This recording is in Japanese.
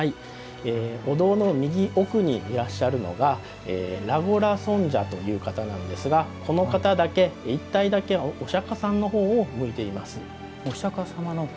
お堂の右奥にいらっしゃるのがらごら尊者という方なんですがこの方だけ１体だけ、お釈迦さんのほうを向いています。